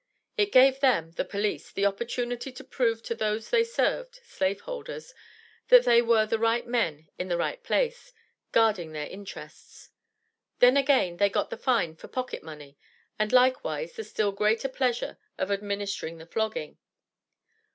It gave them (the police) the opportunity to prove to those they served (slaveholders), that they were the right men in the right place, guarding their interests. Then again they got the fine for pocket money, and likewise the still greater pleasure of administering the flogging.